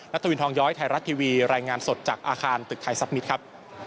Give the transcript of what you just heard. ทวินทองย้อยไทยรัฐทีวีรายงานสดจากอาคารตึกไทยซับมิตรครับ